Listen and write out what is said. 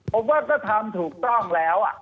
ผมว่าก็ทำถูกต้องแล้ว